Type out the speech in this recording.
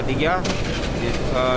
di bukit jawa